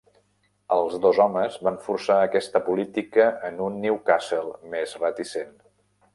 Els dos homes van forçar aquesta política en un Newcastle més reticent.